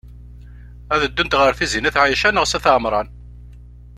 Ad ddunt ɣer Tizi n at Ɛica neɣ s at Ɛemṛan?